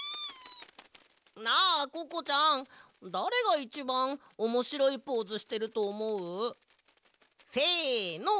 なあココちゃんだれがいちばんおもしろいポーズしてるとおもう？せの。